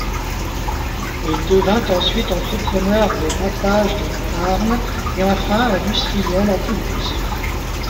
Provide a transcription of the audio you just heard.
Il devint ensuite entrepreneur de battages dans le Tarn et enfin industriel à Toulouse.